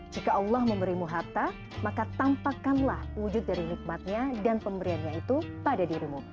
jika allah memberimu hatta maka tampakkanlah wujud dari nikmatnya dan pemberiannya itu pada dirimu